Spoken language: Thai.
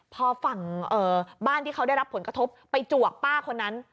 พอฝั่งบ้านที่เขาได้รับผลกระทบไปจวกป้าคนนั้น